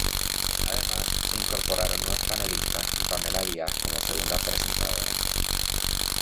Además, se incorporaron nuevos panelistas y Pamela Díaz como segunda presentadora.